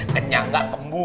kenyang gak tembu